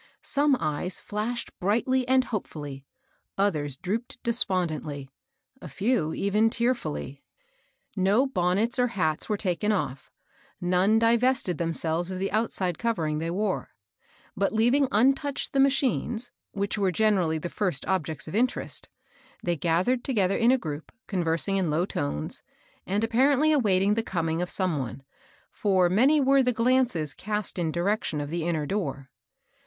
Some eyes flashed brightly and hopefolly , others drooped despondingly, a few even tearftdly. No bonnets or hats were taken off; none divested themselves of the outside covering they wore ; bat^ 164 MABEL ROSS. leaving untouched the machines, which were gen erally the first objects of interest, they gathered together in a group, conversing in low tones, and apparently awaiting the coming of some one ; for many were the glances cast in direction of the inner door.